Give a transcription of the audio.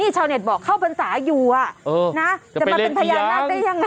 ชาวเน็ตบอกเข้าพรรษาอยู่จะมาเป็นพญานาคได้ยังไง